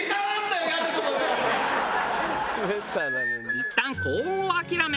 いったん高温を諦め